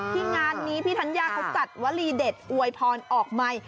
งานนี้พี่ธัญญาเขาจัดวลีเด็ดอวยพรออกใหม่